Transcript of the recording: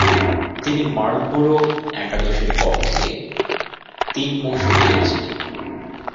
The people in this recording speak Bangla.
তিনি মার্লবোরা একাদশের পক্ষে তিন মৌসুম খেলেছিলেন।